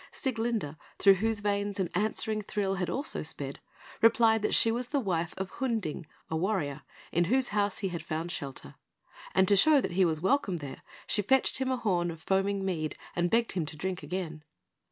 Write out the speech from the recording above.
Sieglinde, through whose veins an answering thrill had also sped, replied that she was the wife of Hunding, a warrior, in whose house he had found shelter; and to show that he was welcome there, she fetched him a horn of foaming mead, and begged him to drink again.